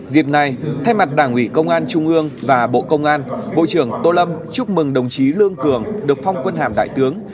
dịp này thay mặt đảng ủy công an trung ương và bộ công an bộ trưởng tô lâm chúc mừng đồng chí lương cường được phong quân hàm đại tướng